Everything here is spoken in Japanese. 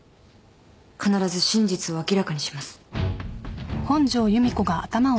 必ず真実を明らかにします。